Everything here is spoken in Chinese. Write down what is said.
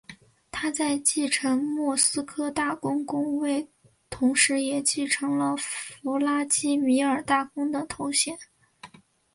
他在继承莫斯科大公公位同时也继承了弗拉基米尔大公的头衔。